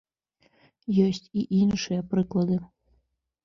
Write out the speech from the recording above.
Ёсць і іншыя прыклады.